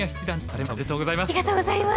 おめでとうございます。